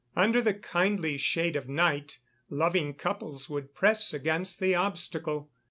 Under the kindly shade of night loving couples would press against the obstacle.